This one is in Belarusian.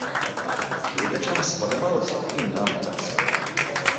Гледачам спадабалася і нам таксама.